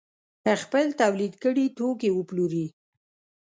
خپل تولید کړي توکي وپلوري.